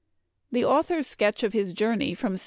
The author's sketch of his journey from Se